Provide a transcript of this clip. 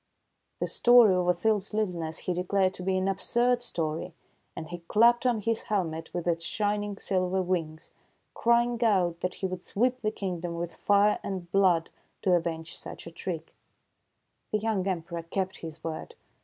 The story of 9 6 THE FAIRY SPINNING WHEEL Othilde's littleness he declared to be an absurd story ; and he clapped on his helmet with its shining silver wings, crying out that he would sweep the kingdom with fire and blood to avenge such a trick. The. young Emperor kept his word.